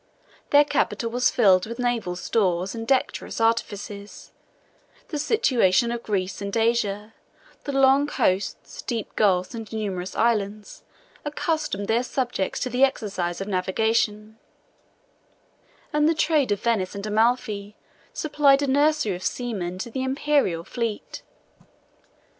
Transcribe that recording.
Their capital was filled with naval stores and dexterous artificers: the situation of Greece and Asia, the long coasts, deep gulfs, and numerous islands, accustomed their subjects to the exercise of navigation; and the trade of Venice and Amalfi supplied a nursery of seamen to the Imperial fleet.